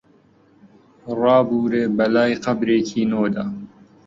ڕابوورێ بەلای قەبرێکی نۆدا